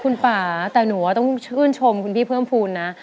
คุณป่าแต่หนูว่าต้องชื่นชมคุณพี่เพิ่มภูมินะ